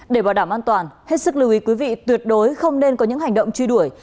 để bảo đảm an toàn hết sức lưu ý quý vị tuyệt đối không nên có những hành động truy đuổi